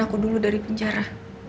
aku dulu dari penjara